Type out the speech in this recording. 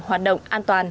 hoạt động an toàn